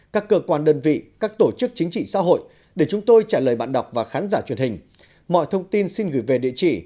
các cơ quan đơn vị các tổ chức chính trị xã hội để chúng tôi trả lời bạn đọc và khán giả truyền hình mọi thông tin xin gửi về địa chỉ